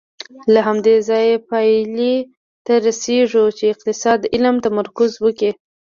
له همدې ځایه پایلې ته رسېږو چې اقتصاد علم تمرکز وکړي.